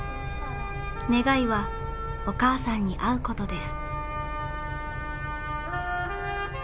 願いはお母さんに会うことです。